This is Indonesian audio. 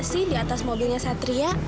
di atas mobilnya satria